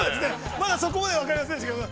◆まだそこまでは分かりませんでしたけども。